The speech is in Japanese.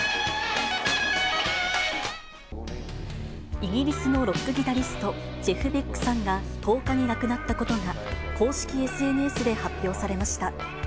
イギリスのロックギタリスト、ジェフ・ベックさんが１０日に亡くなったことが、公式ＳＮＳで発表されました。